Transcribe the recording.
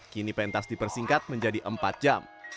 kini pentas dipersingkat menjadi empat jam